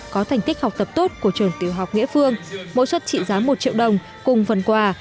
có thành tích học tập tốt của trường tiểu học nghĩa phương mỗi suất trị giá một triệu đồng cùng phần quà